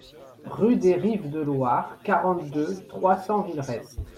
Rue des Rives de Loire, quarante-deux, trois cents Villerest